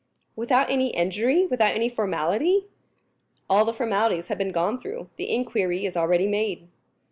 "Without any inquiry, without any formality?" "All the formalities have been gone through; the inquiry is already made."